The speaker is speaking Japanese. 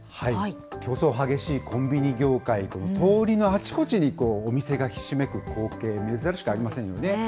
競争激しいコンビニ業界、通りのあちこちにお店がひしめく光景、珍しくありませんよね。